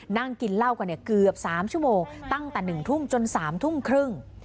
นั่งกินเหล้ากันเกือบ๓ชั่วโมงตั้งแต่๑ทุ่มจน๓ทุ่มครึ่ง